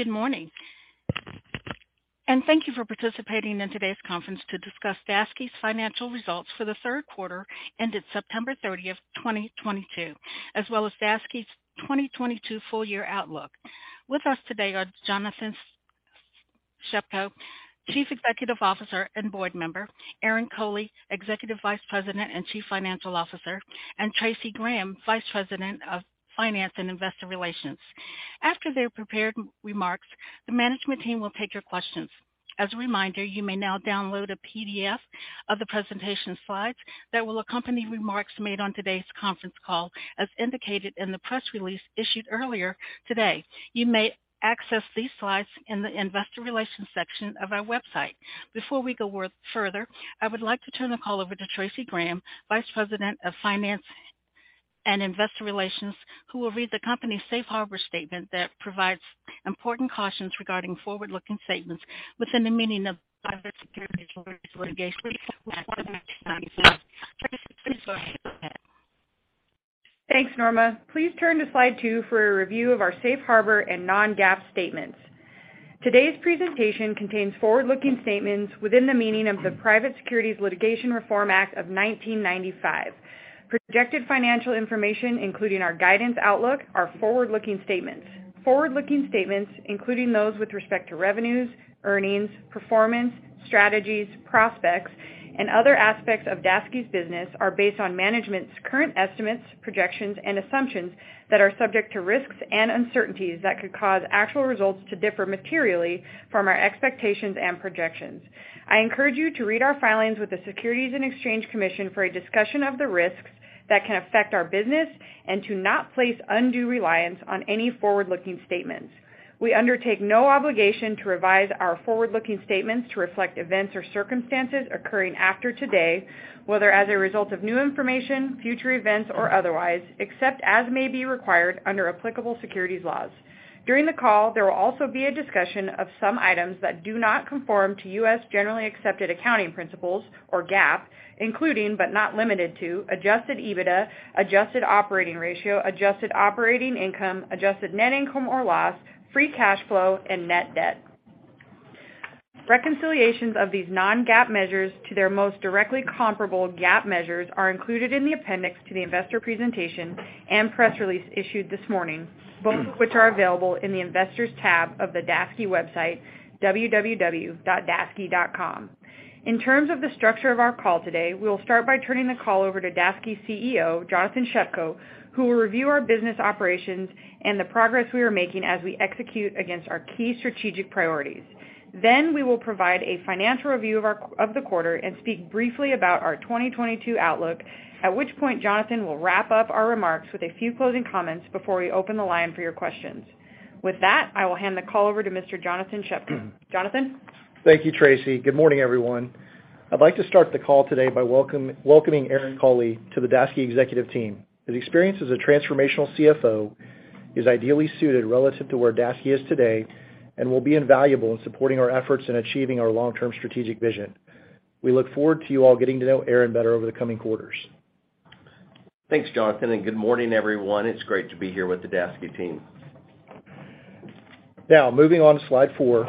Good morning, and thank you for participating in today's conference to discuss Daseke's financial results for the third quarter ended September 30, 2022, as well as Daseke's 2022 full year outlook. With us today are Jonathan Shepko, Chief Executive Officer and Board Member, Aaron Coley, Executive Vice President and Chief Financial Officer, and Traci Graham, Vice President of Finance and Investor Relations. After their prepared remarks, the management team will take your questions. As a reminder, you may now download a PDF of the presentation slides that will accompany remarks made on today's conference call, as indicated in the press release issued earlier today. You may access these slides in the investor relations section of our website. Before we go further, I would like to turn the call over to Traci Graham, Vice President of Finance and Investor Relations, who will read the company's safe harbor statement that provides important cautions regarding forward-looking statements within the meaning of Private Securities Litigation Reform Act of 1995. Traci, please go ahead. Thanks, Norma. Please turn to slide two for a review of our Safe Harbor and non-GAAP statements. Today's presentation contains forward-looking statements within the meaning of the Private Securities Litigation Reform Act of 1995. Projected financial information, including our guidance outlook, are forward-looking statements. Forward-looking statements, including those with respect to revenues, earnings, performance, strategies, prospects, and other aspects of Daseke's business, are based on management's current estimates, projections, and assumptions that are subject to risks and uncertainties that could cause actual results to differ materially from our expectations and projections. I encourage you to read our filings with the Securities and Exchange Commission for a discussion of the risks that can affect our business and to not place undue reliance on any forward-looking statements. We undertake no obligation to revise our forward-looking statements to reflect events or circumstances occurring after today, whether as a result of new information, future events, or otherwise, except as may be required under applicable securities laws. During the call, there will also be a discussion of some items that do not conform to U.S. generally accepted accounting principles, or GAAP, including, but not limited to, adjusted EBITDA, adjusted operating ratio, adjusted operating income, adjusted net income or loss, free cash flow, and net debt. Reconciliations of these non-GAAP measures to their most directly comparable GAAP measures are included in the appendix to the investor presentation and press release issued this morning, both of which are available in the Investors tab of the Daseke website, www.daseke.com. In terms of the structure of our call today, we will start by turning the call over to Daseke's CEO, Jonathan Shepko, who will review our business operations and the progress we are making as we execute against our key strategic priorities. We will provide a financial review of the quarter and speak briefly about our 2022 outlook, at which point Jonathan will wrap up our remarks with a few closing comments before we open the line for your questions. With that, I will hand the call over to Mr. Jonathan Shepko. Jonathan? Thank you, Tracy. Good morning, everyone. I'd like to start the call today by welcoming Aaron Coley to the Daseke executive team. His experience as a transformational CFO is ideally suited relative to where Daseke is today and will be invaluable in supporting our efforts in achieving our long-term strategic vision. We look forward to you all getting to know Aaron better over the coming quarters. Thanks, Jonathan, and good morning, everyone. It's great to be here with the Daseke team. Now, moving on to slide four,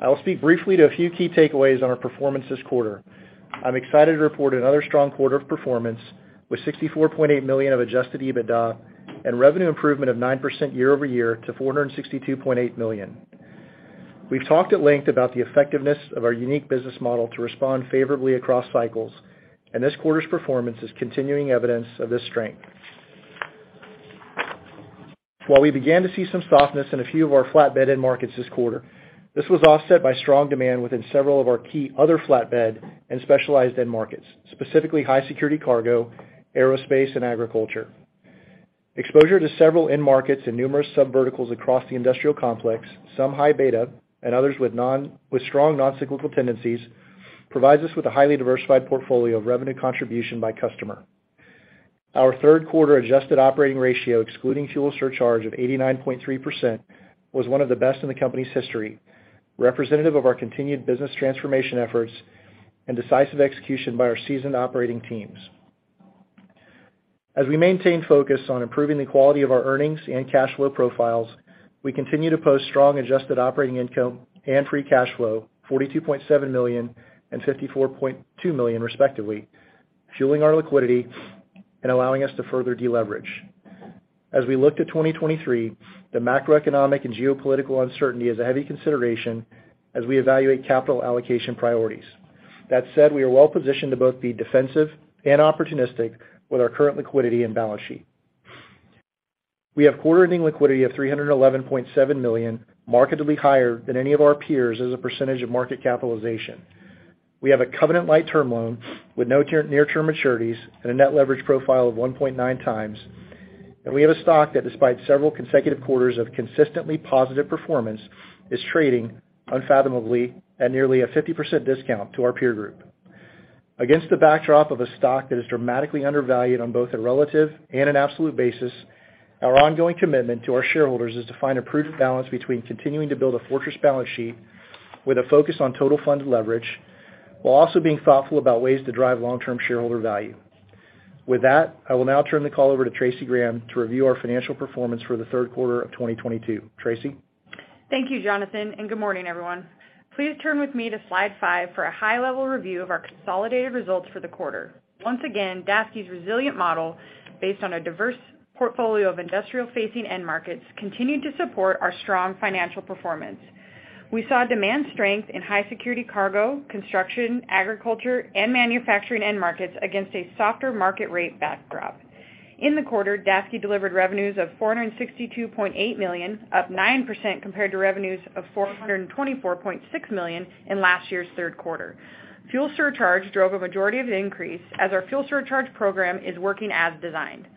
I will speak briefly to a few key takeaways on our performance this quarter. I'm excited to report another strong quarter of performance with $64.8 million of adjusted EBITDA and revenue improvement of 9% year-over-year to $462.8 million. We've talked at length about the effectiveness of our unique business model to respond favorably across cycles, and this quarter's performance is continuing evidence of this strength. While we began to see some softness in a few of our flatbed end markets this quarter, this was offset by strong demand within several of our key other flatbed and specialized end markets, specifically high security cargo, aerospace, and agriculture. Exposure to several end markets and numerous subverticals across the industrial complex, some high beta and others with strong non-cyclical tendencies, provides us with a highly diversified portfolio of revenue contribution by customer. Our third quarter adjusted operating ratio, excluding fuel surcharge of 89.3%, was one of the best in the company's history, representative of our continued business transformation efforts and decisive execution by our seasoned operating teams. As we maintain focus on improving the quality of our earnings and cash flow profiles, we continue to post strong adjusted operating income and free cash flow, $42.7 million and $54.2 million, respectively, fueling our liquidity and allowing us to further deleverage. As we look to 2023, the macroeconomic and geopolitical uncertainty is a heavy consideration as we evaluate capital allocation priorities. That said, we are well positioned to both be defensive and opportunistic with our current liquidity and balance sheet. We have quarter-ending liquidity of $311.7 million, markedly higher than any of our peers as a percentage of market capitalization. We have a covenant-light term loan with no near-term maturities and a net leverage profile of 1.9x. We have a stock that, despite several consecutive quarters of consistently positive performance, is trading unfathomably at nearly a 50% discount to our peer group. Against the backdrop of a stock that is dramatically undervalued on both a relative and an absolute basis, our ongoing commitment to our shareholders is to find a prudent balance between continuing to build a fortress balance sheet with a focus on total fund leverage, while also being thoughtful about ways to drive long-term shareholder value. With that, I will now turn the call over to Traci Graham to review our financial performance for the third quarter of 2022. Traci? Thank you, Jonathan, and good morning, everyone. Please turn with me to slide five for a high-level review of our consolidated results for the quarter. Once again, Daseke's resilient model, based on a diverse portfolio of industrial-facing end markets, continued to support our strong financial performance. We saw demand strength in high security cargo, construction, agriculture, and manufacturing end markets against a softer market rate backdrop. In the quarter, Daseke delivered revenues of $462.8 million, up 9% compared to revenues of $424.6 million in last year's third quarter. Fuel surcharge drove a majority of the increase, as our fuel surcharge program is working as designed.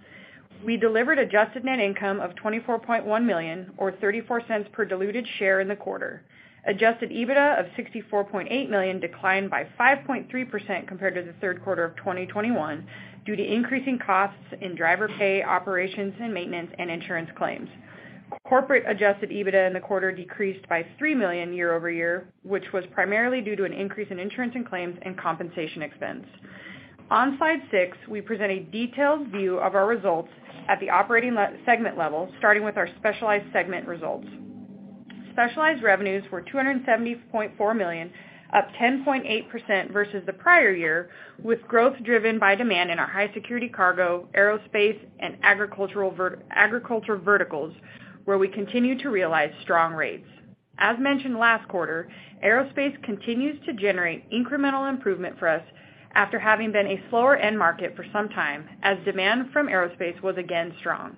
We delivered adjusted net income of $24.1 million, or $0.34 per diluted share in the quarter. Adjusted EBITDA of $64.8 million declined by 5.3% compared to the third quarter of 2021 due to increasing costs in driver pay, operations and maintenance, and insurance claims. Corporate adjusted EBITDA in the quarter decreased by $3 million year over year, which was primarily due to an increase in insurance and claims and compensation expense. On slide six, we present a detailed view of our results at the operating segment level, starting with our specialized segment results. Specialized revenues were $270.4 million, up 10.8% versus the prior year, with growth driven by demand in our high security cargo, aerospace, and agriculture verticals, where we continue to realize strong rates. As mentioned last quarter, aerospace continues to generate incremental improvement for us after having been a slower end market for some time, as demand from aerospace was again strong.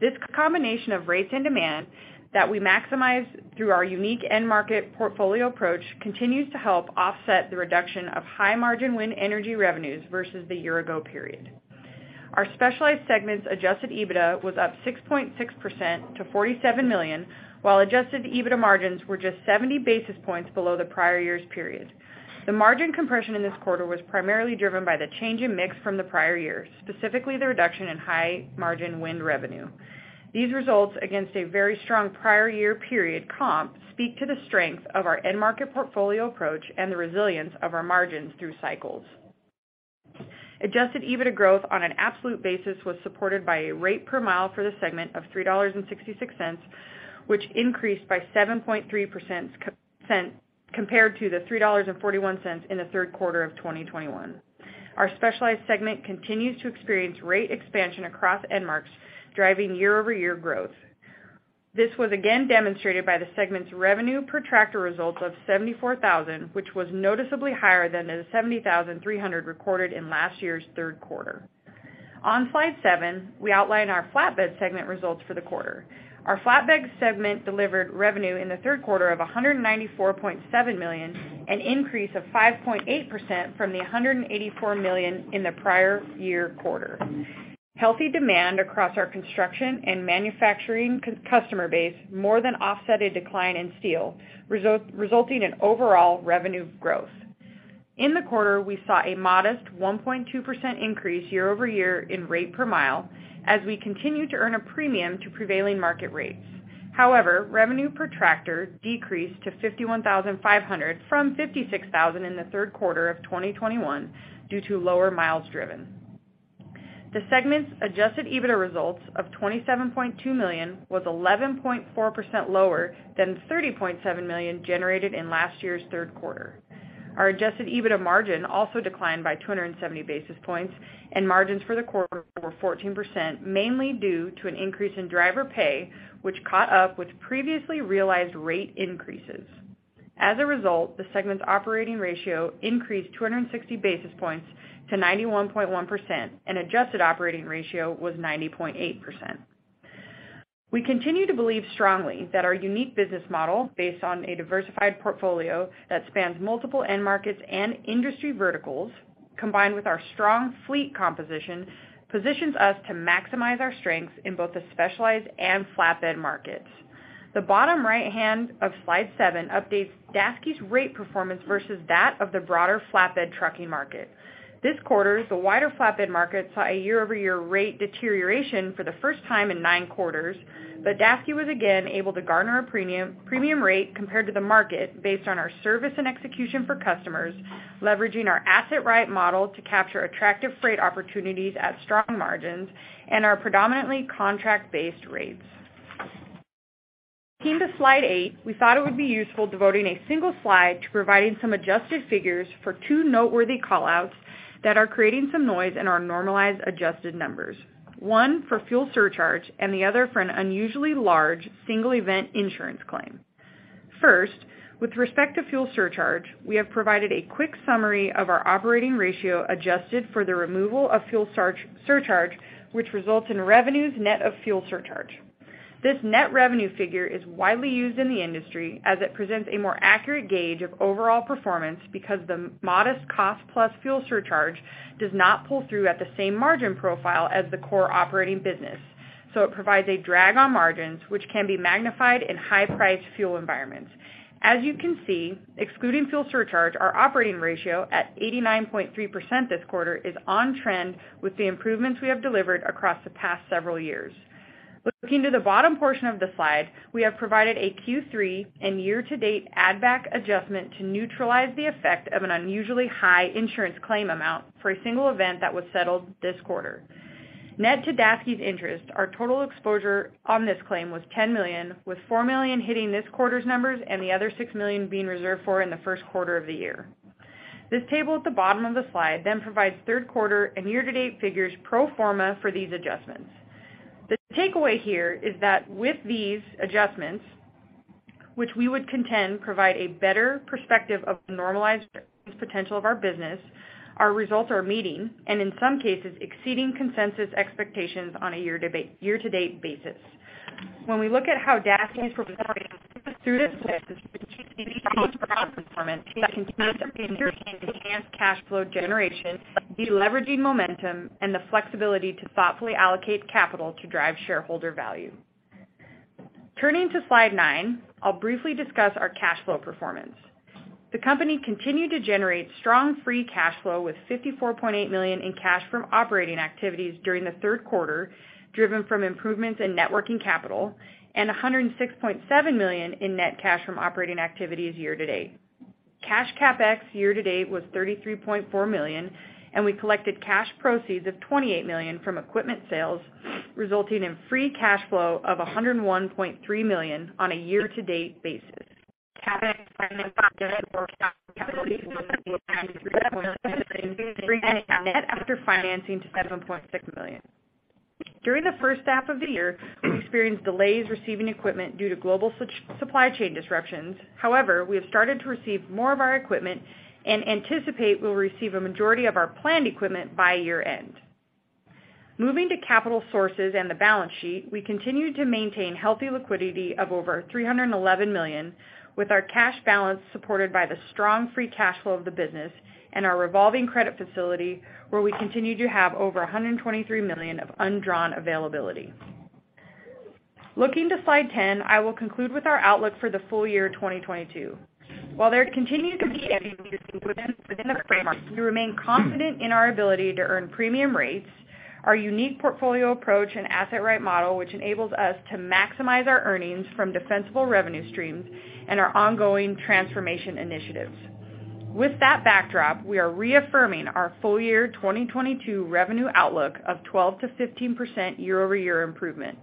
This combination of rates and demand that we maximize through our unique end market portfolio approach continues to help offset the reduction of high-margin wind energy revenues versus the year ago period. Our specialized segment's adjusted EBITDA was up 6.6% to $47 million, while adjusted EBITDA margins were just 70 basis points below the prior year's period. The margin compression in this quarter was primarily driven by the change in mix from the prior year, specifically the reduction in high-margin wind revenue. These results against a very strong prior year period comp speak to the strength of our end market portfolio approach and the resilience of our margins through cycles. Adjusted EBITDA growth on an absolute basis was supported by a rate per mile for the segment of $3.66, which increased by 7.3% compared to the $3.41 in the third quarter of 2021. Our specialized segment continues to experience rate expansion across end markets, driving year-over-year growth. This was again demonstrated by the segment's revenue per tractor results of 74,000, which was noticeably higher than the 70,300 recorded in last year's third quarter. On slide seven, we outline our flatbed segment results for the quarter. Our flatbed segment delivered revenue in the third quarter of $194.7 million, an increase of 5.8% from a $184 million in the prior year quarter. Healthy demand across our construction and manufacturing customer base more than offset a decline in steel, resulting in overall revenue growth. In the quarter, we saw a modest 1.2% increase year-over-year in rate per mile as we continue to earn a premium to prevailing market rates. However, revenue per tractor decreased to $51,500 from $56,000 in the third quarter of 2021 due to lower miles driven. The segment's adjusted EBITDA results of $27.2 million was 11.4% lower than the $30.7 million generated in last year's third quarter. Our adjusted EBITDA margin also declined by 270 basis points, and margins for the quarter were 14%, mainly due to an increase in driver pay, which caught up with previously realized rate increases. As a result, the segment's operating ratio increased 260 basis points to 91.1%, and adjusted operating ratio was 90.8%. We continue to believe strongly that our unique business model, based on a diversified portfolio that spans multiple end markets and industry verticals, combined with our strong fleet composition, positions us to maximize our strengths in both the specialized and flatbed markets. The bottom right hand of slide seven updates Daseke's rate performance versus that of the broader flatbed trucking market. This quarter, the wider flatbed market saw a year-over-year rate deterioration for the first time in 9 quarters, but Daseke was again able to garner a premium rate compared to the market based on our service and execution for customers, leveraging our asset-right model to capture attractive freight opportunities at strong margins and our predominantly contract-based rates. Turning to slide eight, we thought it would be useful devoting a single slide to providing some adjusted figures for two noteworthy call-outs that are creating some noise in our normalized adjusted numbers. One for fuel surcharge and the other for an unusually large single event insurance claim. First, with respect to fuel surcharge, we have provided a quick summary of our operating ratio adjusted for the removal of fuel surcharge, which results in revenues net of fuel surcharge. This net revenue figure is widely used in the industry as it presents a more accurate gauge of overall performance because the modest cost plus fuel surcharge does not pull through at the same margin profile as the core operating business, so it provides a drag on margins which can be magnified in high-priced fuel environments. As you can see, excluding fuel surcharge, our operating ratio at 89.3% this quarter is on trend with the improvements we have delivered across the past several years. Looking to the bottom portion of the slide, we have provided a Q3 and year-to-date add back adjustment to neutralize the effect of an unusually high insurance claim amount for a single event that was settled this quarter. Net to Daseke's interest, our total exposure on this claim was $10 million, with $4 million hitting this quarter's numbers and the other $6 million being reserved for in the first quarter of the year. This table at the bottom of the slide provides third quarter and year-to-date figures pro forma for these adjustments. The takeaway here is that with these adjustments, which we would contend provide a better perspective of the normalized potential of our business, our results are meeting and in some cases exceeding consensus expectations on a year-over-year-to-date basis. When we look at how Daseke is performing through this lens, we see strong profit performance that can continue to enable enhanced cash flow generation, deleveraging momentum, and the flexibility to thoughtfully allocate capital to drive shareholder value. Turning to slide nine, I'll briefly discuss our cash flow performance. The company continued to generate strong free cash flow with $54.8 million in cash from operating activities during the third quarter, driven by improvements in net working capital and $106.7 million in net cash from operating activities year-to-date. Cash CapEx year-to-date was $33.4 million, and we collected cash proceeds of $28 million from equipment sales, resulting in free cash flow of $101.3 million on a year-to-date basis. CapEx spending for the full year is now forecast to be $33.7 million, bringing it net after financing to $7.6 million. During the first half of the year, we experienced delays receiving equipment due to global supply chain disruptions. However, we have started to receive more of our equipment and anticipate we'll receive a majority of our planned equipment by year-end. Moving to capital sources and the balance sheet, we continue to maintain healthy liquidity of over $311 million with our cash balance supported by the strong free cash flow of the business and our revolving credit facility, where we continue to have over $123 million of undrawn availability. Looking to slide ten, I will conclude with our outlook for the full year 2022. While there continue to be challenges within the framework, we remain confident in our ability to earn premium rates, our unique portfolio approach and asset-right model, which enables us to maximize our earnings from defensible revenue streams and our ongoing transformation initiatives. With that backdrop, we are reaffirming our full year 2022 revenue outlook of 12%-15% year-over-year improvement.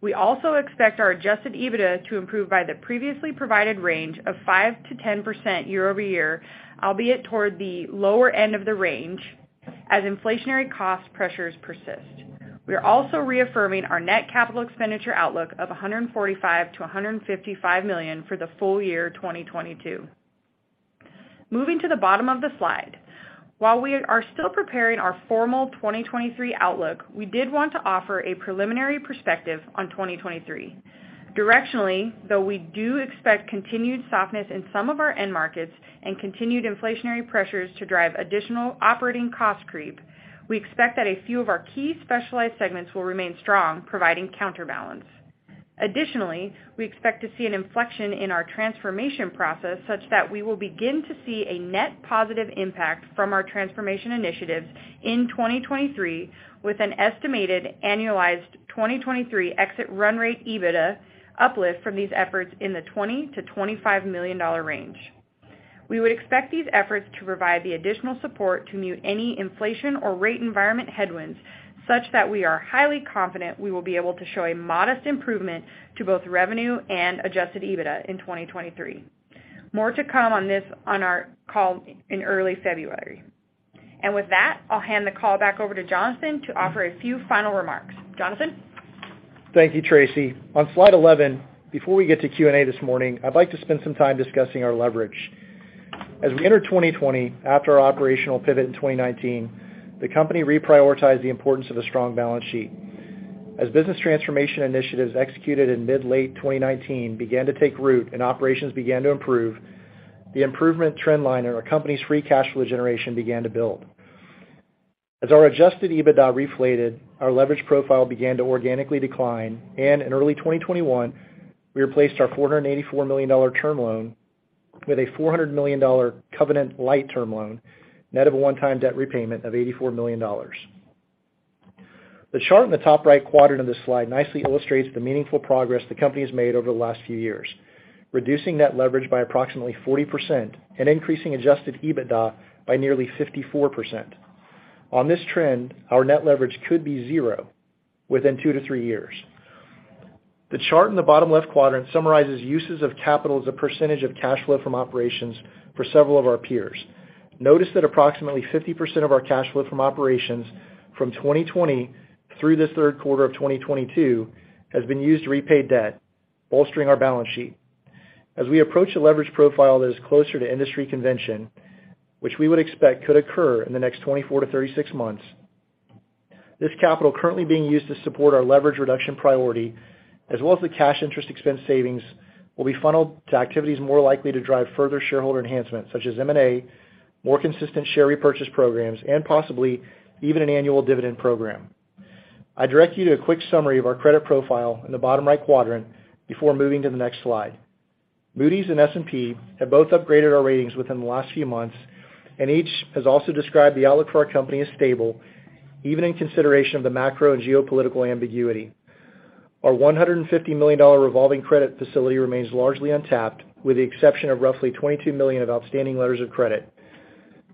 We also expect our adjusted EBITDA to improve by the previously provided range of 5%-10% year-over-year, albeit toward the lower end of the range as inflationary cost pressures persist. We are also reaffirming our net capital expenditure outlook of $145 million-$155 million for the full year 2022. Moving to the bottom of the slide, while we are still preparing our formal 2023 outlook, we did want to offer a preliminary perspective on 2023. Directionally, though we do expect continued softness in some of our end markets and continued inflationary pressures to drive additional operating cost creep, we expect that a few of our key specialized segments will remain strong, providing counterbalance. Additionally, we expect to see an inflection in our transformation process such that we will begin to see a net positive impact from our transformation initiatives in 2023 with an estimated annualized 2023 exit run rate EBITDA uplift from these efforts in the $20-$25 million range. We would expect these efforts to provide the additional support to mute any inflation or rate environment headwinds, such that we are highly confident we will be able to show a modest improvement to both revenue and adjusted EBITDA in 2023. More to come on this on our call in early February. With that, I'll hand the call back over to Jonathan to offer a few final remarks. Jonathan? Thank you, Traci. On slide 11, before we get to Q&A this morning, I'd like to spend some time discussing our leverage. As we entered 2020 after our operational pivot in 2019, the company reprioritized the importance of a strong balance sheet. As business transformation initiatives executed in mid-late 2019 began to take root and operations began to improve, the improvement trend line in our company's free cash flow generation began to build. As our adjusted EBITDA reflated, our leverage profile began to organically decline, and in early 2021, we replaced our $484 million term loan with a $400 million cov-lite term loan, net of a one-time debt repayment of $84 million. The chart in the top right quadrant of this slide nicely illustrates the meaningful progress the company has made over the last few years, reducing net leverage by approximately 40% and increasing adjusted EBITDA by nearly 54%. On this trend, our net leverage could be zero within 2-3 years. The chart in the bottom left quadrant summarizes uses of capital as a percentage of cash flow from operations for several of our peers. Notice that approximately 50% of our cash flow from operations from 2020 through the third quarter of 2022 has been used to repay debt, bolstering our balance sheet. As we approach a leverage profile that is closer to industry convention, which we would expect could occur in the next 24-36 months, this capital currently being used to support our leverage reduction priority, as well as the cash interest expense savings will be funneled to activities more likely to drive further shareholder enhancement, such as M&A, more consistent share repurchase programs, and possibly even an annual dividend program. I direct you to a quick summary of our credit profile in the bottom right quadrant before moving to the next slide. Moody's and S&P have both upgraded our ratings within the last few months, and each has also described the outlook for our company as stable, even in consideration of the macro and geopolitical ambiguity. Our $150 million revolving credit facility remains largely untapped, with the exception of roughly $22 million of outstanding letters of credit.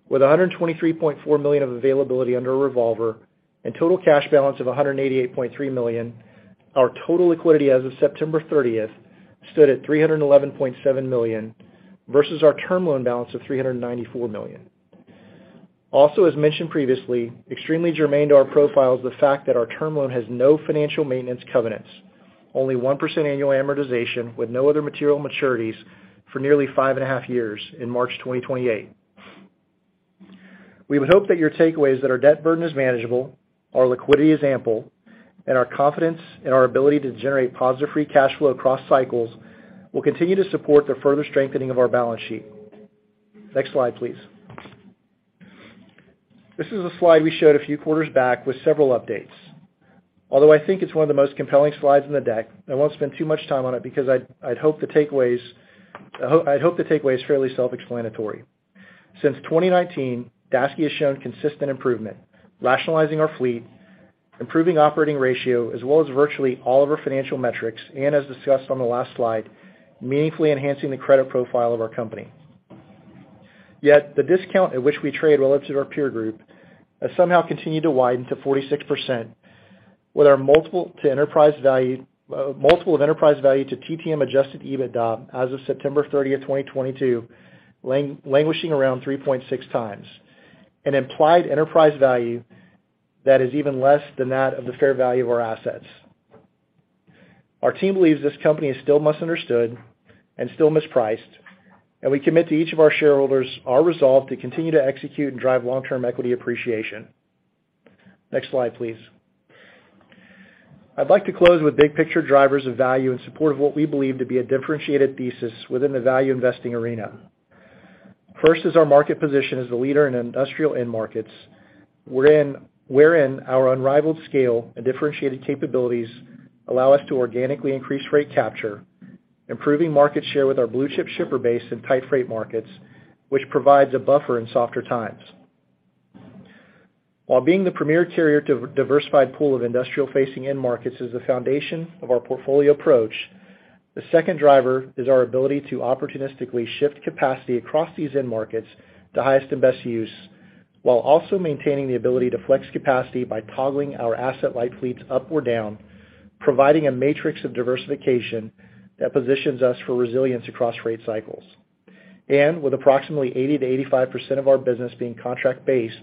With $123.4 million of availability under a revolver and total cash balance of $188.3 million, our total liquidity as of September thirtieth stood at $311.7 million versus our term loan balance of $394 million. Also, as mentioned previously, extremely germane to our profile is the fact that our term loan has no financial maintenance covenants, only 1% annual amortization with no other material maturities for nearly five and a half years in March 2028. We would hope that your takeaway is that our debt burden is manageable, our liquidity is ample, and our confidence in our ability to generate positive free cash flow across cycles will continue to support the further strengthening of our balance sheet. Next slide, please. This is a slide we showed a few quarters back with several updates. Although I think it's one of the most compelling slides in the deck, I won't spend too much time on it because I'd hope the takeaway is fairly self-explanatory. Since 2019, Daseke has shown consistent improvement, rationalizing our fleet, improving operating ratio, as well as virtually all of our financial metrics, and as discussed on the last slide, meaningfully enhancing the credit profile of our company. Yet the discount at which we trade relative to our peer group has somehow continued to widen to 46%, with our multiple of enterprise value to TTM adjusted EBITDA as of September 30, 2022, languishing around 3.6x, an implied enterprise value that is even less than that of the fair value of our assets. Our team believes this company is still misunderstood and still mispriced, and we commit to each of our shareholders our resolve to continue to execute and drive long-term equity appreciation. Next slide, please. I'd like to close with big picture drivers of value in support of what we believe to be a differentiated thesis within the value investing arena. First is our market position as the leader in industrial end markets, wherein our unrivaled scale and differentiated capabilities allow us to organically increase rate capture, improving market share with our blue-chip shipper base and tight freight markets, which provides a buffer in softer times. While being the premier carrier to diversified pool of industrial facing end markets is the foundation of our portfolio approach, the second driver is our ability to opportunistically shift capacity across these end markets to highest and best use, while also maintaining the ability to flex capacity by toggling our asset-light fleets up or down, providing a matrix of diversification that positions us for resilience across rate cycles. With approximately 80%-85% of our business being contract-based,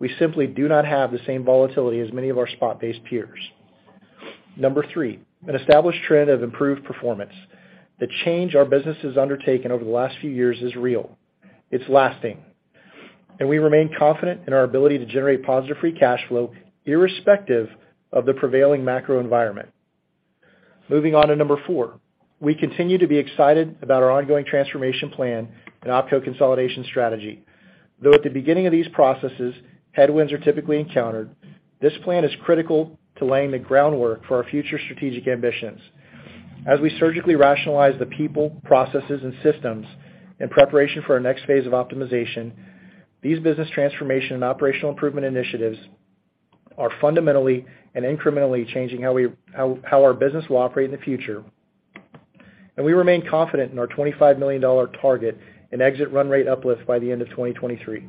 we simply do not have the same volatility as many of our spot-based peers. Number three, an established trend of improved performance. The change our business has undertaken over the last few years is real, it's lasting, and we remain confident in our ability to generate positive free cash flow irrespective of the prevailing macro environment. Moving on to number 4. We continue to be excited about our ongoing transformation plan and opco consolidation strategy. Though at the beginning of these processes, headwinds are typically encountered, this plan is critical to laying the groundwork for our future strategic ambitions. As we surgically rationalize the people, processes, and systems in preparation for our next phase of optimization, these business transformation and operational improvement initiatives are fundamentally and incrementally changing how our business will operate in the future. We remain confident in our $25 million target in exit run rate uplift by the end of 2023.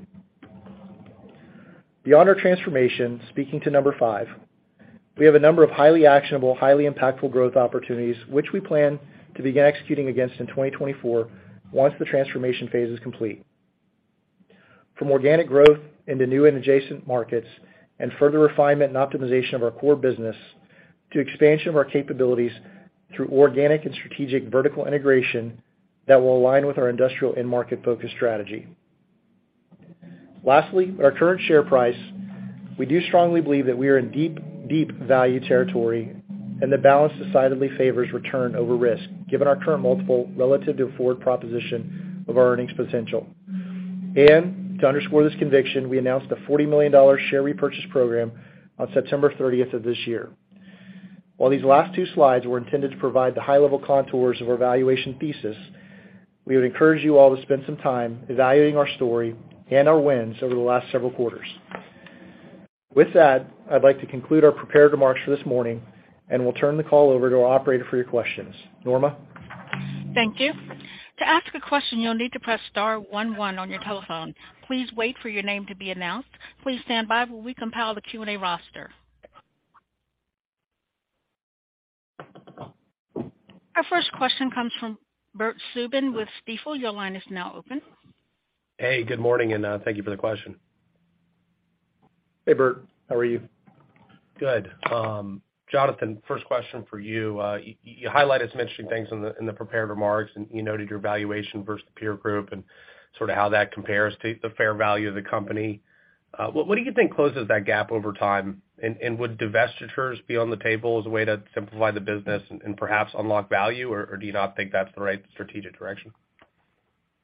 Beyond our transformation, speaking to number 5, we have a number of highly actionable, highly impactful growth opportunities, which we plan to begin executing against in 2024 once the transformation phase is complete. From organic growth into new and adjacent markets and further refinement and optimization of our core business to expansion of our capabilities through organic and strategic vertical integration that will align with our industrial end market focus strategy. Lastly, at our current share price, we do strongly believe that we are in deep, deep value territory, and the balance decidedly favors return over risk, given our current multiple relative to a forward proposition of our earnings potential. To underscore this conviction, we announced a $40 million share repurchase program on September 30 of this year. While these last two slides were intended to provide the high-level contours of our valuation thesis, we would encourage you all to spend some time evaluating our story and our wins over the last several quarters. With that, I'd like to conclude our prepared remarks for this morning and will turn the call over to our operator for your questions. Norma? Thank you. To ask a question, you'll need to press star one one on your telephone. Please wait for your name to be announced. Please stand by while we compile the Q&A roster. Our first question comes from Bert Subin with Stifel. Your line is now open. Hey, good morning, and thank you for the question. Hey, Bert, how are you? Good. Jonathan, first question for you. You highlighted some interesting things in the prepared remarks, and you noted your valuation versus the peer group and sort of how that compares to the fair value of the company. What do you think closes that gap over time? Would divestitures be on the table as a way to simplify the business and perhaps unlock value? Do you not think that's the right strategic direction?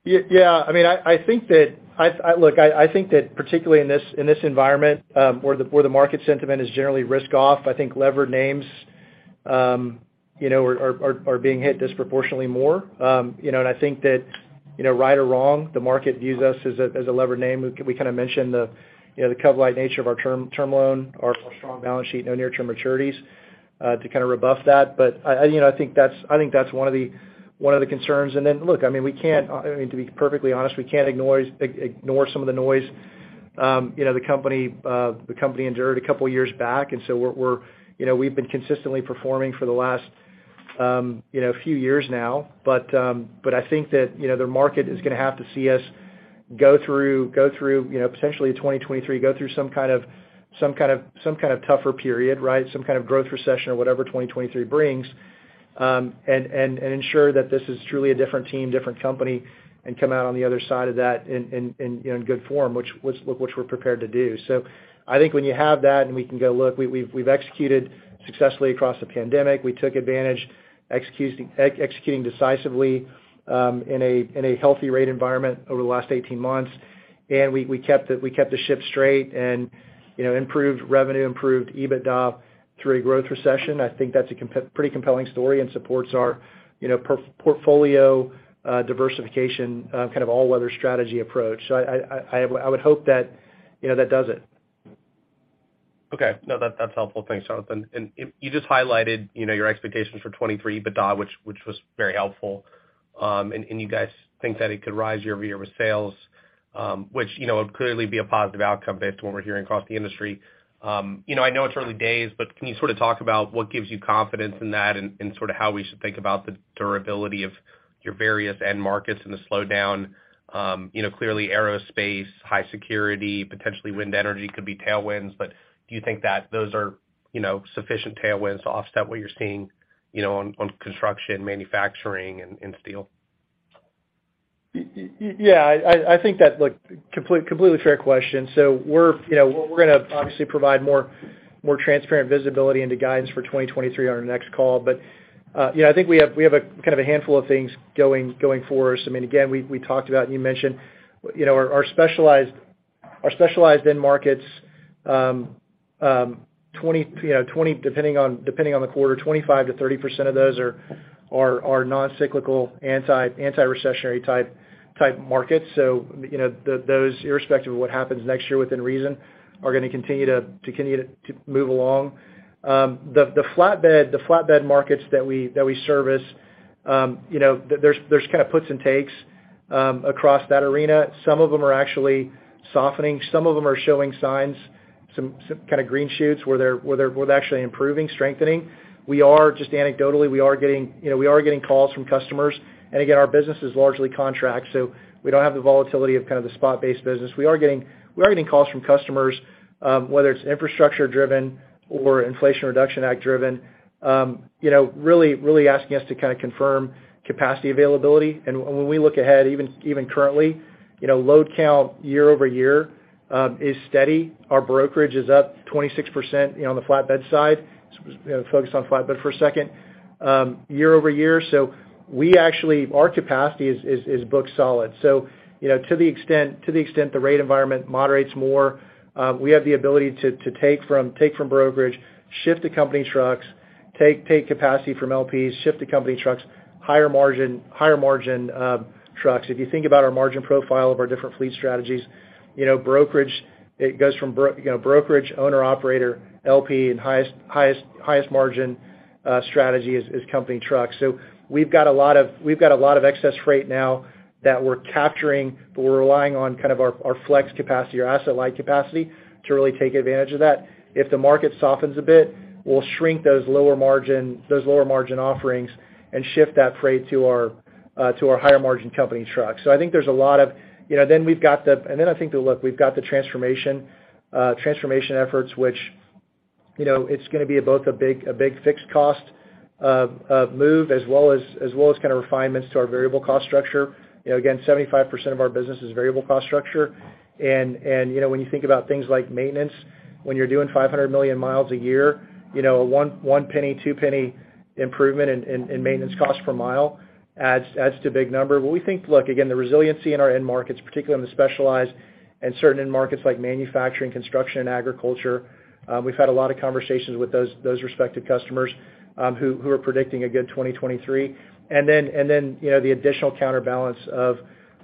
Yeah. I mean, I think that particularly in this environment, where the market sentiment is generally risk off, I think levered names, you know, are being hit disproportionately more. You know, and I think that, you know, right or wrong, the market views us as a levered name. We kind of mentioned the cov-lite nature of our term loan, our strong balance sheet, no near-term maturities, to kind of rebuff that. But I think that's one of the concerns. Look, I mean, we can't ignore some of the noise. I mean, to be perfectly honest, we can't ignore some of the noise. You know, the company endured a couple years back, and so we're. You know, we've been consistently performing for the last few years now. But I think that, you know, the market is gonna have to see us go through, you know, potentially 2023, go through some kind of tougher period, right? Some kind of growth recession or whatever 2023 brings, and ensure that this is truly a different team, different company, and come out on the other side of that in good form, which we're prepared to do. So I think when you have that and we can go, "Look, we've executed successfully across the pandemic. We took advantage executing decisively in a healthy rate environment over the last 18 months. We kept the ship straight and, you know, improved revenue, improved EBITDA through a growth recession. I think that's a pretty compelling story and supports our, you know, portfolio diversification, kind of all-weather strategy approach. I would hope that, you know, that does it. Okay. No. That's helpful. Thanks, Jonathan. If you just highlighted, you know, your expectations for 2023 EBITDA, which was very helpful. You guys think that it could rise year over year with sales, which, you know, would clearly be a positive outcome based on what we're hearing across the industry. You know, I know it's early days, but can you sort of talk about what gives you confidence in that and sort of how we should think about the durability of your various end markets and the slowdown? You know, clearly aerospace, high security, potentially wind energy could be tailwinds. Do you think that those are, you know, sufficient tailwinds to offset what you're seeing, you know, on construction, manufacturing, and steel? Yeah. I think. Look, completely fair question. We're, you know, gonna obviously provide more transparent visibility into guidance for 2023 on our next call. You know, I think we have a kind of a handful of things going for us. I mean, again, we talked about, and you mentioned, you know, our specialized end markets, 25, you know, 25 depending on the quarter, 25%-30% of those are non-cyclical, anti-recessionary type markets. You know, those, irrespective of what happens next year within reason, are gonna continue to move along. The flatbed markets that we service, you know, there's kind of puts and takes across that arena. Some of them are actually softening. Some of them are showing signs, some kind of green shoots where they're both actually improving, strengthening. We are just anecdotally getting, you know, calls from customers. Again, our business is largely contract, so we don't have the volatility of kind of the spot-based business. We are getting calls from customers, whether it's infrastructure driven or Inflation Reduction Act driven, you know, really asking us to kind of confirm capacity availability. When we look ahead, even currently, you know, load count year-over-year is steady. Our brokerage is up 26%, you know, on the flatbed side, you know, focused on flatbed for a second, year-over-year. We actually, our capacity is booked solid. You know, to the extent the rate environment moderates more, we have the ability to take from brokerage, shift to company trucks, take capacity from LPs, shift to company trucks, higher margin trucks. If you think about our margin profile of our different fleet strategies, you know, brokerage, it goes from brokerage, owner/operator, LP, and highest margin strategy is company trucks. We've got a lot of excess freight now that we're capturing, but we're relying on kind of our flex capacity or asset-light capacity to really take advantage of that. If the market softens a bit, we'll shrink those lower margin offerings and shift that freight to our higher margin company trucks. I think there's a lot of, you know. I think that, look, we've got the transformation efforts, which, you know, it's gonna be both a big fixed cost move as well as kind of refinements to our variable cost structure. You know, again, 75% of our business is variable cost structure. You know, when you think about things like maintenance, when you're doing 500 million miles a year, you know, a one-penny or two-penny improvement in maintenance cost per mile adds up to a big number. We think, look, again, the resiliency in our end markets, particularly on the specialized and certain end markets like manufacturing, construction, and agriculture. We've had a lot of conversations with those respective customers, who are predicting a good 2023. You know, the additional counterbalance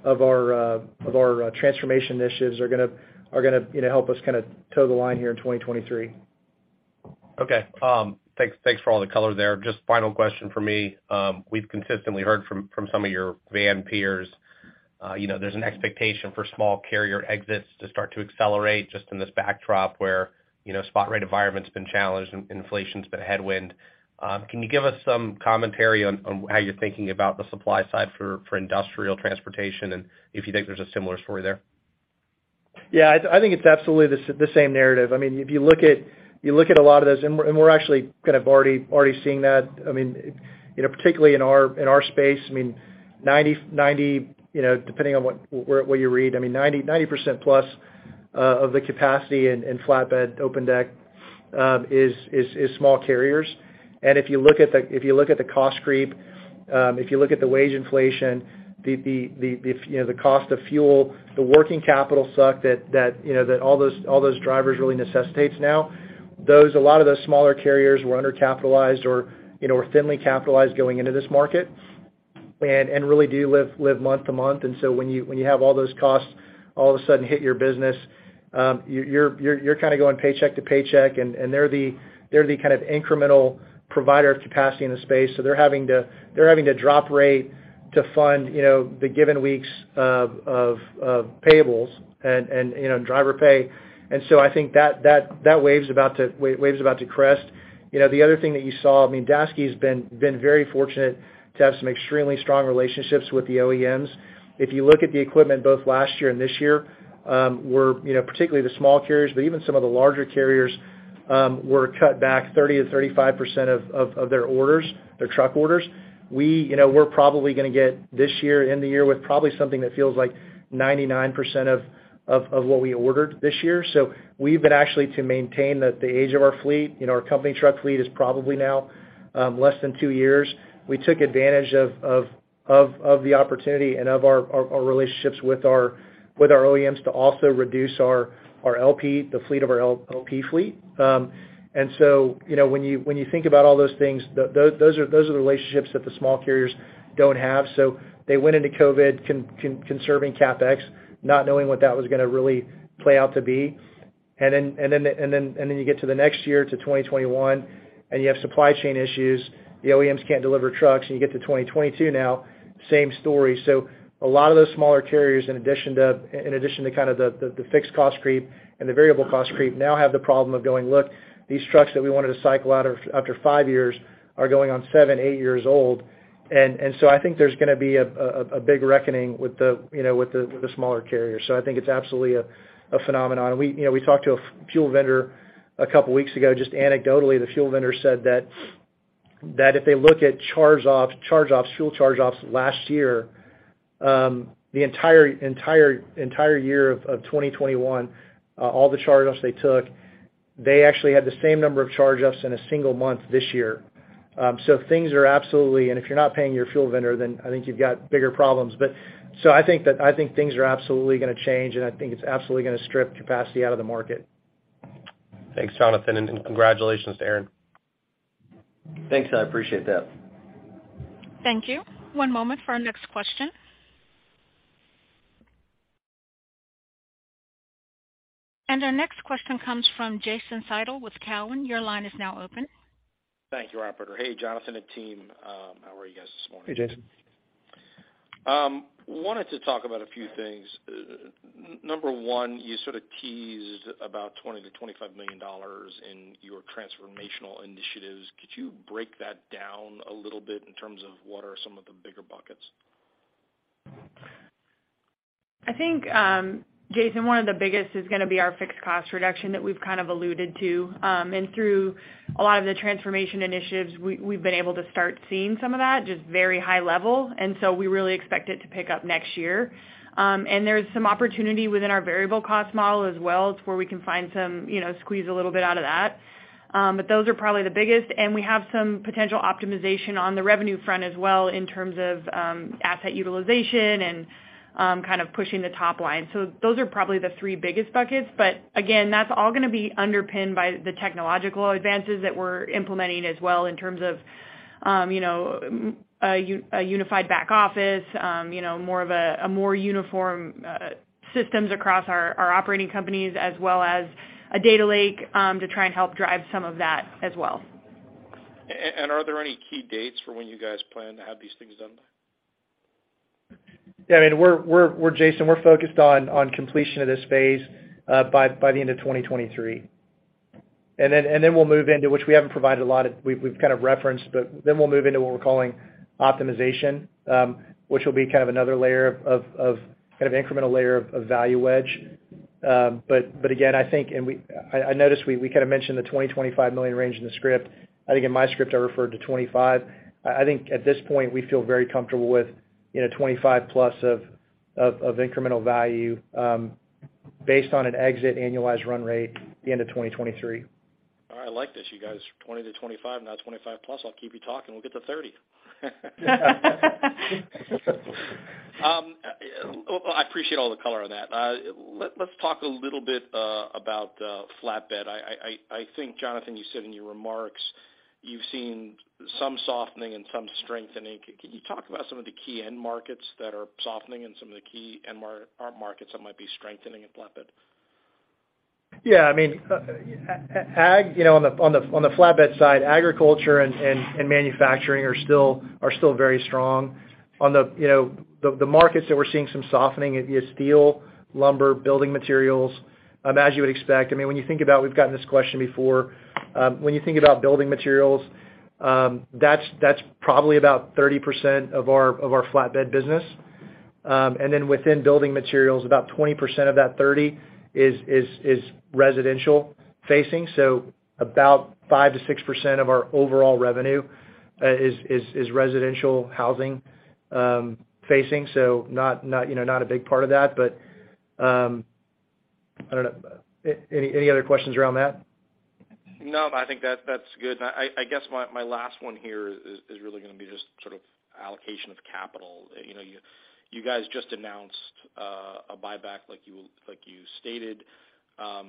of our transformation initiatives are gonna, you know, help us kinda toe the line here in 2023. Okay. Thanks for all the color there. Just final question from me. We've consistently heard from some of your van peers, you know, there's an expectation for small carrier exits to start to accelerate just in this backdrop where, you know, spot rate environment's been challenged and inflation's been a headwind. Can you give us some commentary on how you're thinking about the supply side for industrial transportation and if you think there's a similar story there? Yeah. I think it's absolutely the same narrative. I mean, if you look at a lot of those, and we're actually kind of already seeing that. I mean, you know, particularly in our space, I mean, you know, depending on what, where, what you read, I mean, 90% plus of the capacity in flatbed open deck is small carriers. If you look at the cost creep, if you look at the wage inflation, you know, the cost of fuel, the working capital suck that, you know, that all those drivers really necessitates now. A lot of those smaller carriers were undercapitalized or, you know, or thinly capitalized going into this market and really do live month to month. When you have all those costs all of a sudden hit your business, you're kind of going paycheck to paycheck, and they're the kind of incremental provider of capacity in the space. They're having to drop rate to fund, you know, the given weeks of payables and, you know, driver pay. I think that wave's about to crest. You know, the other thing that you saw, I mean, Daseke has been very fortunate to have some extremely strong relationships with the OEMs. If you look at the equipment both last year and this year, we're, you know, particularly the small carriers, but even some of the larger carriers, were cut back 30%-35% of their orders, their truck orders. We, you know, we're probably gonna get this year, end the year with probably something that feels like 99% of what we ordered this year. We've been actually to maintain the age of our fleet. You know, our company truck fleet is probably now less than 2 years. We took advantage of the opportunity and of our relationships with our OEMs to also reduce our LP, the fleet of our LP fleet. You know, when you think about all those things, those are the relationships that the small carriers don't have. They went into COVID conserving CapEx, not knowing what that was gonna really play out to be. You get to the next year to 2021, and you have supply chain issues. The OEMs can't deliver trucks, and you get to 2022 now, same story. A lot of those smaller carriers, in addition to kind of the fixed cost creep and the variable cost creep, now have the problem of going, "Look, these trucks that we wanted to cycle out after five years are going on seven, eight years old." I think there's gonna be a big reckoning with, you know, the smaller carriers. I think it's absolutely a phenomenon. You know, we talked to a fuel vendor a couple weeks ago. Just anecdotally, the fuel vendor said that if they look at fuel charge-offs last year, the entire year of 2021, all the charge-offs they took, they actually had the same number of charge-offs in a single month this year. Things are absolutely. If you're not paying your fuel vendor, then I think you've got bigger problems. I think things are absolutely gonna change, and I think it's absolutely gonna strip capacity out of the market. Thanks, Jonathan, and congratulations to Aaron. Thanks. I appreciate that. Thank you. One moment for our next question. Our next question comes from Jason Seidl with TD Cowen. Your line is now open. Thank you, operator. Hey, Jonathan and team. How are you guys this morning? Hey, Jason. Wanted to talk about a few things. Number one, you sort of teased about $20 million-$25 million in your transformational initiatives. Could you break that down a little bit in terms of what are some of the bigger buckets? I think, Jason Seidl, one of the biggest is gonna be our fixed cost reduction that we've kind of alluded to. Through a lot of the transformation initiatives, we've been able to start seeing some of that, just very high level. We really expect it to pick up next year. There's some opportunity within our variable cost model as well to where we can find some, you know, squeeze a little bit out of that. Those are probably the biggest. We have some potential optimization on the revenue front as well in terms of, asset utilization and, kind of pushing the top line. Those are probably the three biggest buckets. Again, that's all gonna be underpinned by the technological advances that we're implementing as well in terms of, you know, a unified back office, you know, more of a more uniform systems across our operating companies, as well as a data lake, to try and help drive some of that as well. Are there any key dates for when you guys plan to have these things done? Yeah. I mean, Jason, we're focused on completion of this phase by the end of 2023. Then we'll move into which we haven't provided a lot of. We've kind of referenced, but then we'll move into what we're calling optimization, which will be kind of another layer of kind of incremental layer of value edge. Again, I think I noticed we kind of mentioned the $20-$25 million range in the script. I think in my script, I referred to 25. I think at this point, we feel very comfortable with, you know, $25+ million of incremental value based on an exit annualized run rate at the end of 2023. All right. I like this, you guys. 20-25, now 25+. I'll keep you talking. We'll get to 30. Well, I appreciate all the color on that. Let's talk a little bit about flatbed. I think, Jonathan, you said in your remarks you've seen some softening and some strengthening. Can you talk about some of the key end markets that are softening and some of the key end markets that might be strengthening in flatbed? Yeah. I mean, you know, on the flatbed side, agriculture and manufacturing are still very strong. On the markets that we're seeing some softening is steel, lumber, building materials, as you would expect. I mean, when you think about, we've gotten this question before, when you think about building materials, that's probably about 30% of our flatbed business. And then within building materials, about 20% of that 30 is residential facing. About 5%-6% of our overall revenue is residential housing facing. Not a big part of that. I don't know. Any other questions around that? No, I think that's good. I guess my last one here is really gonna be just sort of allocation of capital. You know, you guys just announced a buyback like you stated.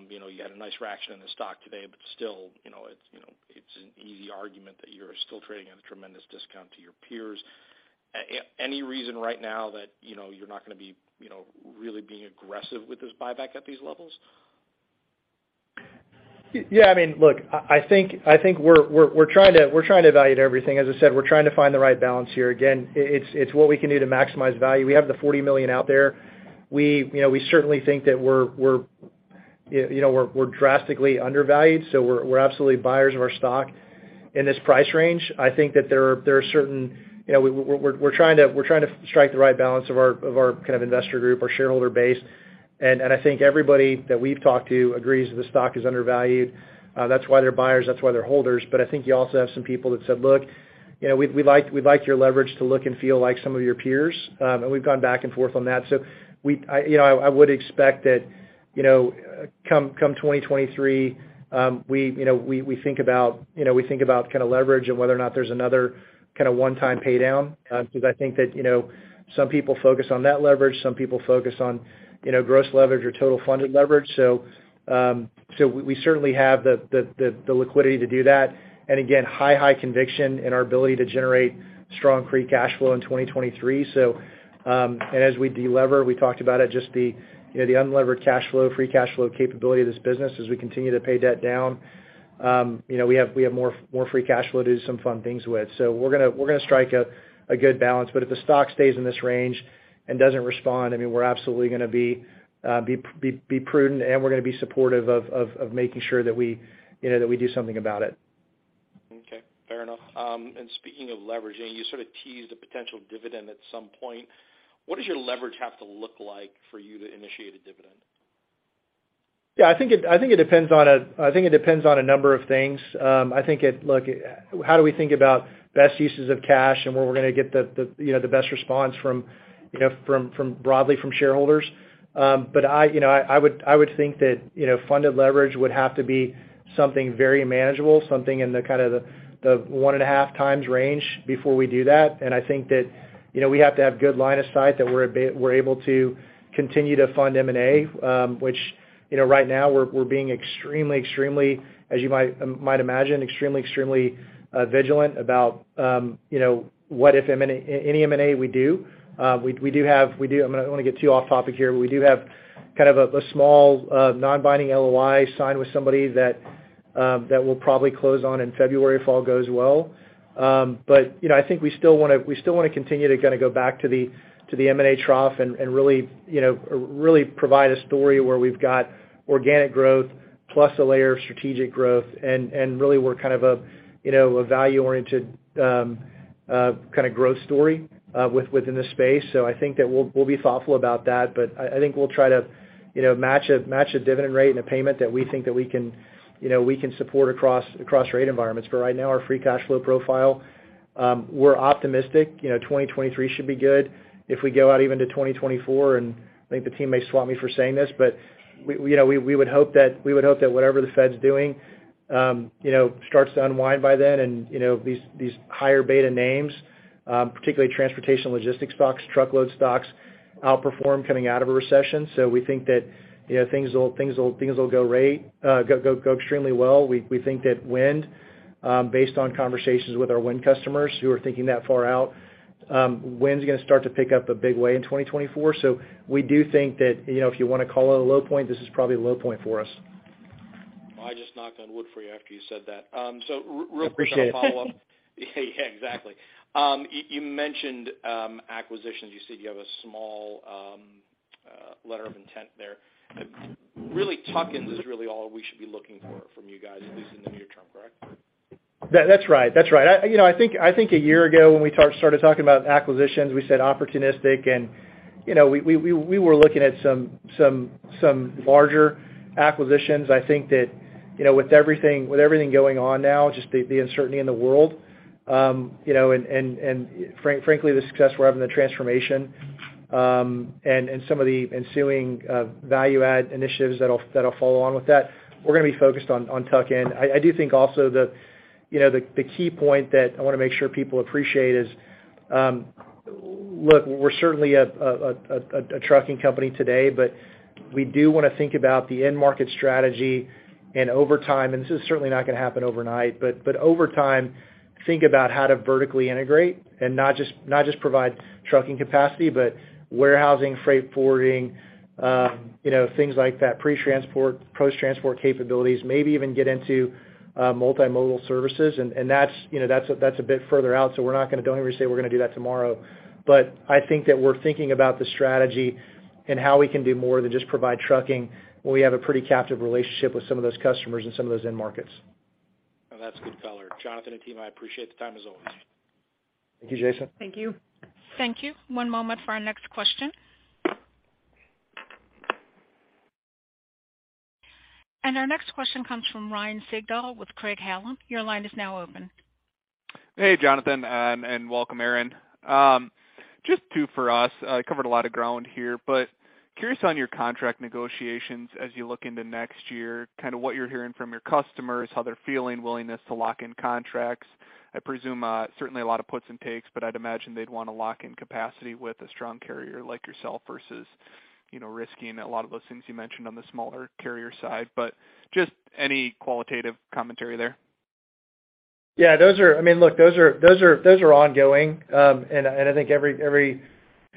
You know, you had a nice reaction in the stock today, but still, you know, it's an easy argument that you're still trading at a tremendous discount to your peers. Any reason right now that, you know, you're not gonna be, you know, really being aggressive with this buyback at these levels? Yeah. I mean, look, I think we're trying to evaluate everything. As I said, we're trying to find the right balance here. Again, it's what we can do to maximize value. We have the $40 million out there. You know, we certainly think that we're drastically undervalued, so we're absolutely buyers of our stock in this price range. I think that there are certain. You know, we're trying to strike the right balance of our kind of investor group, our shareholder base. I think everybody that we've talked to agrees that the stock is undervalued, that's why they're buyers, that's why they're holders. I think you also have some people that said, "Look, you know, we'd like your leverage to look and feel like some of your peers," and we've gone back and forth on that. I would expect that, you know, come 2023, we think about kinda leverage and whether or not there's another kinda one-time paydown. Because I think that, you know, some people focus on that leverage, some people focus on, you know, gross leverage or total funded leverage. So we certainly have the liquidity to do that. Again, high conviction in our ability to generate strong free cash flow in 2023. As we de-lever, we talked about it, just the, you know, the unlevered cash flow, free cash flow capability of this business as we continue to pay debt down. You know, we have more free cash flow to do some fun things with. We're gonna strike a good balance. If the stock stays in this range and doesn't respond, I mean, we're absolutely gonna be prudent and we're gonna be supportive of making sure that we, you know, that we do something about it. Okay. Fair enough. Speaking of leveraging, you sort of teased a potential dividend at some point. What does your leverage have to look like for you to initiate a dividend? Yeah, I think it depends on a number of things. Look, how do we think about best uses of cash and where we're gonna get the you know the best response from you know from broadly from shareholders. I you know would think that you know funded leverage would have to be something very manageable, something in kind of the 1.5x range before we do that. I think that, you know, we have to have good line of sight that we're able to continue to fund M&A, which, you know, right now we're being extremely, as you might imagine, vigilant about what M&A we do. I'm not gonna get too off topic here, but we do have kind of a small non-binding LOI signed with somebody that will probably close in February if all goes well. I think we still wanna continue to kinda go back to the M&A trough and really provide a story where we've got organic growth plus a layer of strategic growth and really we're kind of a value-oriented kind of growth story within the space. I think that we'll be thoughtful about that. I think we'll try to match a dividend rate and a payment that we think that we can support across rate environments. Right now, our free cash flow profile, we're optimistic. You know, 2023 should be good. If we go out even to 2024, I think the team may swat me for saying this, but you know, we would hope that whatever the Fed's doing, you know, starts to unwind by then. You know, these higher beta names, particularly transportation logistics stocks, truckload stocks, outperform coming out of a recession. We think that you know, things will go extremely well. We think that wind, based on conversations with our wind customers who are thinking that far out, wind's gonna start to pick up in a big way in 2024. We do think that, you know, if you wanna call it a low point, this is probably a low point for us. I just knocked on wood for you after you said that. Appreciate it. Quick follow-up. Yeah, yeah, exactly. You mentioned acquisitions. You said you have a small letter of intent there. Really, tuck-ins is really all we should be looking for from you guys, at least in the near term, correct? That's right. I think a year ago when we started talking about acquisitions, we said opportunistic. You know, we were looking at some larger acquisitions. I think that, you know, with everything going on now, just the uncertainty in the world, you know, and frankly, the success we're having in the transformation, and some of the ensuing value add initiatives that'll follow on with that, we're gonna be focused on tuck-in. I do think also the key point that I wanna make sure people appreciate is, look, we're certainly a trucking company today, but we do wanna think about the end market strategy. Over time, and this is certainly not gonna happen overnight, but over time, think about how to vertically integrate and not just provide trucking capacity, but warehousing, freight forwarding, you know, things like that. Pre-transport, post-transport capabilities. Maybe even get into multimodal services. That's, you know, that's a bit further out, so don't hear me say we're gonna do that tomorrow. I think that we're thinking about the strategy and how we can do more than just provide trucking when we have a pretty captive relationship with some of those customers in some of those end markets. No, that's good color. Jonathan and team, I appreciate the time as always. Thank you, Jason. Thank you. Thank you. One moment for our next question. Our next question comes from Ryan Sigdahl with Craig-Hallum. Your line is now open. Hey, Jonathan, and welcome, Aaron. Just two for us. I covered a lot of ground here, but curious on your contract negotiations as you look into next year, kind of what you're hearing from your customers, how they're feeling, willingness to lock in contracts. I presume, certainly a lot of puts and takes, but I'd imagine they'd wanna lock in capacity with a strong carrier like yourself versus, you know, risking a lot of those things you mentioned on the smaller carrier side. Just any qualitative commentary there. I mean, look, those are ongoing. I think every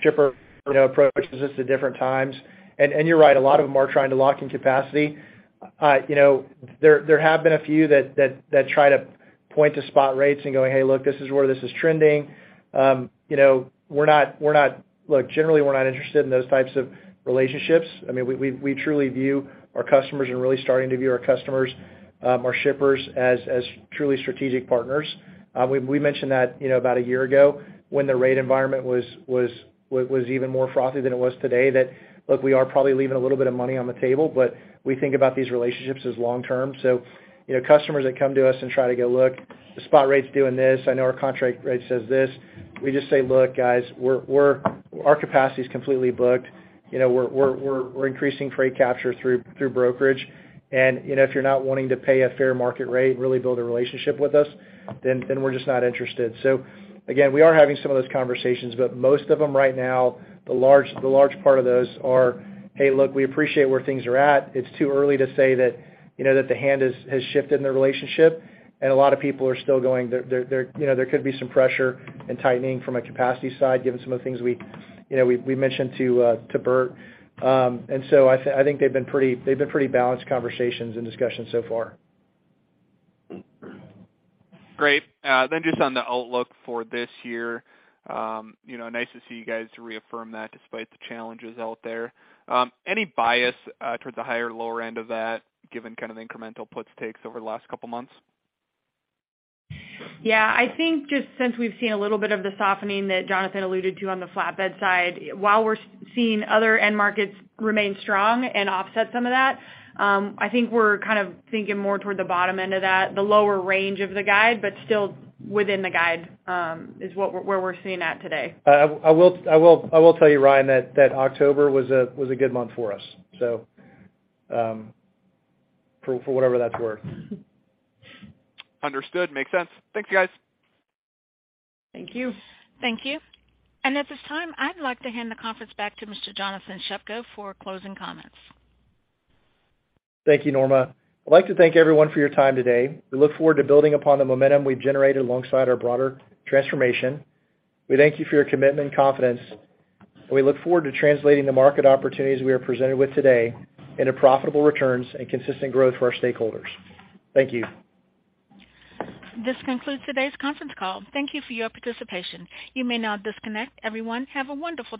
shipper, you know, approaches this at different times. You're right, a lot of them are trying to lock in capacity. You know, there have been a few that try to point to spot rates and going, "Hey, look, this is where this is trending." You know, we're not. Look, generally, we're not interested in those types of relationships. I mean, we truly view our customers and really starting to view our customers, or shippers as truly strategic partners. We mentioned that, you know, about a year ago when the rate environment was even more frothy than it was today, that, look, we are probably leaving a little bit of money on the table, but we think about these relationships as long-term. You know, customers that come to us and try to go, "Look, the spot rate's doing this. I know our contract rate says this." We just say, "Look, guys, we're increasing freight capture through brokerage. You know, if you're not wanting to pay a fair market rate, really build a relationship with us, then we're just not interested. Again, we are having some of those conversations, but most of them right now, the large part of those are, "Hey, look, we appreciate where things are at." It's too early to say that, you know, that the hand has shifted in the relationship, and a lot of people are still going. There, you know, there could be some pressure in tightening from a capacity side given some of the things we mentioned to Bert. I think they've been pretty balanced conversations and discussions so far. Great. Just on the outlook for this year, you know, nice to see you guys reaffirm that despite the challenges out there. Any bias towards the higher or lower end of that given kind of incremental puts takes over the last couple months? Yeah. I think just since we've seen a little bit of the softening that Jonathan alluded to on the flatbed side, while we're seeing other end markets remain strong and offset some of that, I think we're kind of thinking more toward the bottom end of that, the lower range of the guide, but still within the guide, is where we're at today. I will tell you, Ryan, that October was a good month for us, so for whatever that's worth. Understood. Makes sense. Thanks, guys. Thank you. Thank you. At this time, I'd like to hand the conference back to Mr. Jonathan Shepko for closing comments. Thank you, Norma. I'd like to thank everyone for your time today. We look forward to building upon the momentum we've generated alongside our broader transformation. We thank you for your commitment and confidence, and we look forward to translating the market opportunities we are presented with today into profitable returns and consistent growth for our stakeholders. Thank you. This concludes today's conference call. Thank you for your participation. You may now disconnect. Everyone, have a wonderful day.